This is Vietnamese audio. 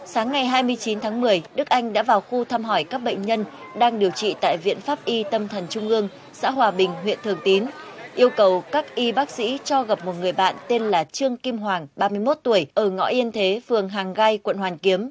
sáng ngày hai mươi chín tháng một mươi đức anh đã vào khu thăm hỏi các bệnh nhân đang điều trị tại viện pháp y tâm thần trung ương xã hòa bình huyện thường tín yêu cầu các y bác sĩ cho gặp một người bạn tên là trương kim hoàng ba mươi một tuổi ở ngõ yên thế phường hàng gai quận hoàn kiếm